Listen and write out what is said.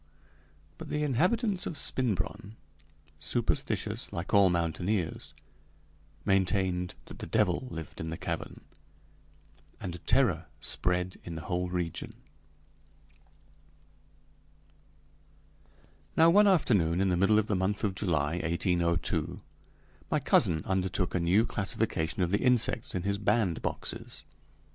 But the inhabitants of Spinbronn, superstitious like all mountaineers, maintained that the devil lived in the cavern, and terror spread in the whole region. Now one afternoon in the middle of the month of July, 1802, my cousin undertook a new classification of the insects in his bandboxes.